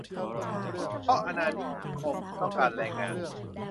เพราะอาณานิคมต้องการแรงงาน